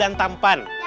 bada apa mas